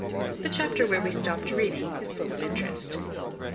The chapter where we stopped reading is full of interest.